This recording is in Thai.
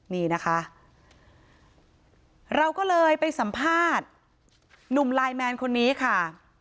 นี่นะคะเราก็เลยไปสัมภาษณ์หนุ่มไลน์แมนคนนี้ค่ะ